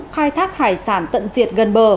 khai thác hải sản tận diệt gần bờ